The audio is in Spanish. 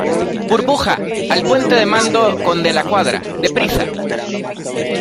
burbuja, al puente de mando con De la Cuadra , deprisa.